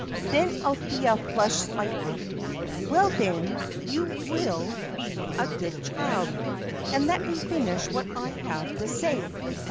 Then Althea flushed slightly. "Well, then, you will be a good child, and let me finish what I have to say."